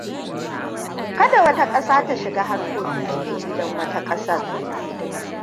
Kada wata ƙasa ta shiga harkokin cikin gidan wata ƙasar.